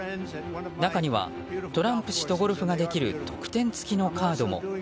中にはトランプ氏とゴルフができる特典付きのカードも。